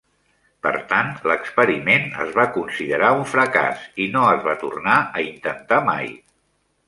Per tant, l'experiment es va considerar un fracàs i no es va tornar a intentar mai.